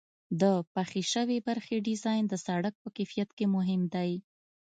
د پخې شوې برخې ډیزاین د سرک په کیفیت کې مهم دی